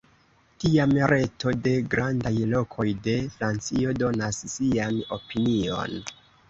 Tiam Reto de Grandaj Lokoj de Francio donas sian opinion.